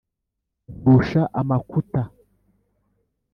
nkurusha amakuta,